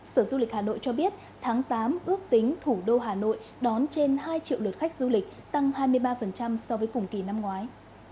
sở du lịch hà nội cho biết tháng tám ước tính thủ đô hà nội đón trên hai triệu lượt khách du lịch tăng hai mươi ba so với cùng kỳ năm ngoái